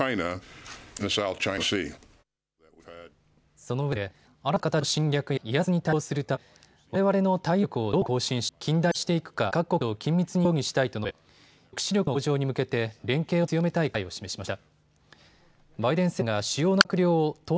そのうえで新たな形の侵略や威圧に対抗するためわれわれの対応能力をどう更新し近代化していくか各国と緊密に協議したいと述べ、抑止力の向上に向けて連携を強めたい考えを示しました。